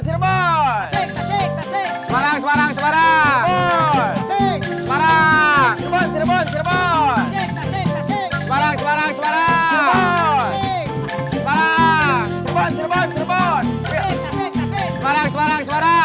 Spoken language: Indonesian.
semarang semarang semarang